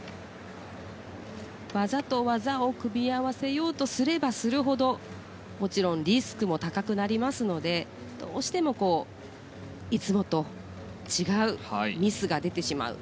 技と技を組み合わせようとすればするほどもちろんリスクも高くなりますのでどうしてもいつもと違うミスが出てしまう。